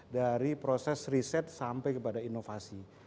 dari proses riset sampai kepada inovasi